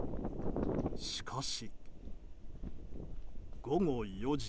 しかし、午後４時。